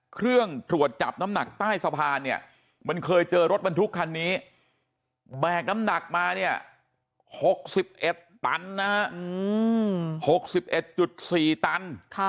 เครื่องตรวจจับน้ำหนักใต้สะพานเคยเจอรถบรรทุกคันนี้แบกน้ำหนักมา๖๑๔ตัน